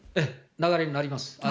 流れになります。